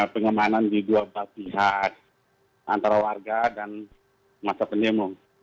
pengemanan di dua pihak antara warga dan masa pendemo